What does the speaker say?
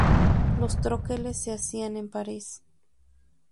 Los troqueles se hacían en París.